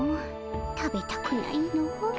食べたくないの。